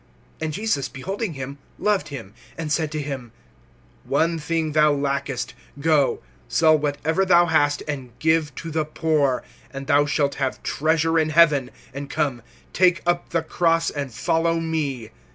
(21)And Jesus beholding him loved him, and said to him: One thing thou lackest; go, sell whatever thou hast, and give to the poor, and thou shalt have treasure in heaven; and come, take up the cross, and follow me.